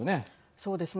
そうですね。